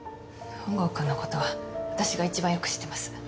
本郷くんのことは私が一番よく知っています。